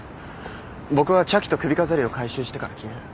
僕は茶器と首飾りを回収してから消える